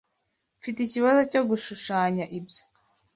Mfite ikibazo cyo gushushanya ibyo.